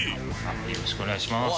よろしくお願いします。